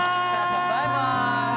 バイバーイ！